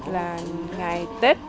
là ngày tết